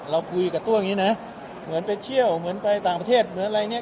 เราคุยกับตัวอย่างนี้นะเหมือนไปเที่ยวเหมือนไปต่างประเทศเหมือนอะไรอย่างนี้